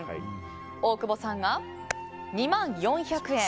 大久保さんが２万４００円。